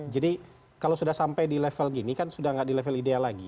jadi kalau sudah sampai di level gini kan sudah gak di level ideal lagi